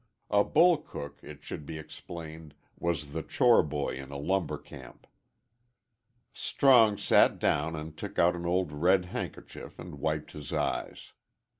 A "bullcook," it should be explained, was the chore boy in a lumber camp. Strong sat down and took out an old red handkerchief and wiped his eyes.